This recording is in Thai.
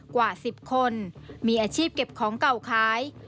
กว่า๑๐คนมีอาชีพเก็บของเก่าขาย